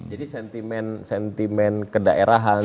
jadi sentimen sentimen kedaerahan